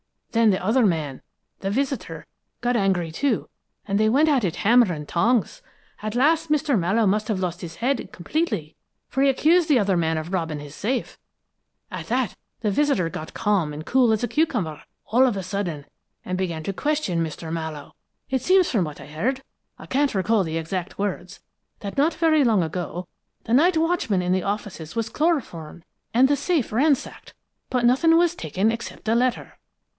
Then the other man, the visitor, got angry, too, and they went at it hammer and tongs. At last, Mr. Mallowe must have lost his head completely, for he accused the other man of robbing his safe. At that, the visitor got calm and cool as a cucumber, all of a sudden, and began to question Mr. Mallowe. It seems from what I heard I can't recall the exact words that not very long ago, the night watchman in the offices was chloroformed and the safe ransacked, but nothing was taken except a letter.